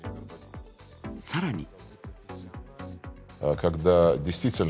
さらに。